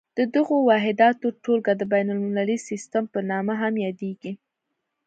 د دغو واحداتو ټولګه د بین المللي سیسټم په نامه هم یادیږي.